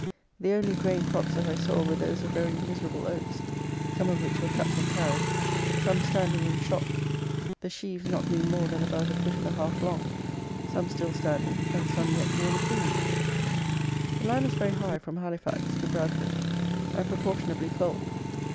The only grain crops that I saw were those of very miserable oats; some of which were cut and carried; some standing in shock, the sheaves not being more than about a foot and a half long; some still standing, and some yet nearly green. The land is very high from Halifax to Bradford, and proportionably cold.